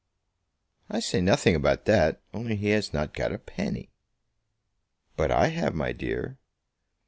"I say nothing about that; only he has not got a penny." "But I have, my dear."